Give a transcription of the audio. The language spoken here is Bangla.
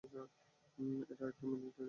এটা একটা মিলিটারী টেকনিক।